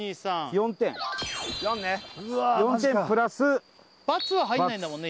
４点プラス罰罰は入んないんだもんね